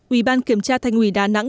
ủy ban kiểm tra thành ủy đà nẵng